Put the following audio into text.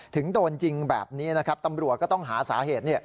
ถึงโดนยิงแบบนี้นะครับตำรวจก็ต้องหาสาเหตุ